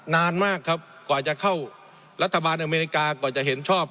นานมากครับกว่าจะเข้ารัฐบาลอเมริกากว่าจะเห็นชอบ